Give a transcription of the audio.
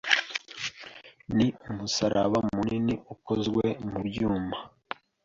Ni umusaraba munini ukozwe mu byuma